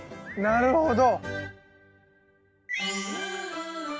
なるほど。